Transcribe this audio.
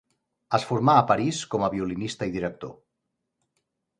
Es formà a París com a violinista i director.